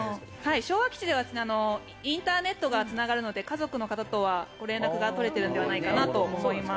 昭和基地ではインターネットがつながるので家族の方とはご連絡が取れているのではないかなと思います。